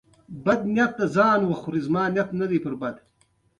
چې مانا يې ورپورې تړلي تعبيرونه